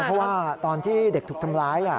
เพราะว่าตอนที่เด็กถูกทำร้าย